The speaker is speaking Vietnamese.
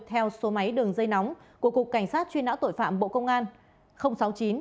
theo số máy đường dây nóng của cục cảnh sát truy nã tội phạm bộ công an sáu mươi chín hai trăm ba mươi hai một nghìn sáu trăm sáu mươi bảy